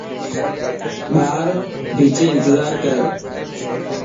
ٻار ڀيچي انتظار ڪر.